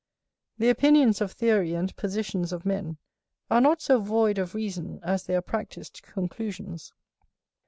The opinions of theory, and positions of men, are not so void of reason, as their practised conclusions.